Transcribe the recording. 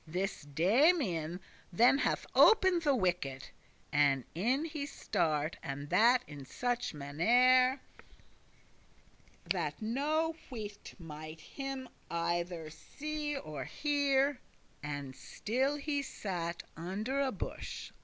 This Damian then hath opened the wicket, And in he start, and that in such mannere That no wight might him either see or hear; And still he sat under a bush.